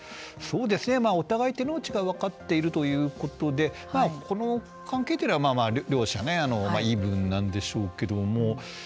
お互い手の内が分かっているということでこの関係というのは、まあ両者イーブンなんでしょうけども。